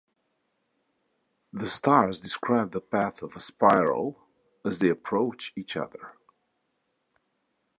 The stars describe the path of a spiral as they approach each other.